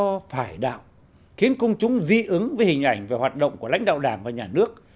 những bài viết cho phải đạo khiến công chúng di ứng với hình ảnh và hoạt động của lãnh đạo đảng và nhà nước